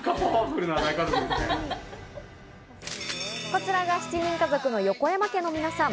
こちらが７人家族の横山家の皆さん。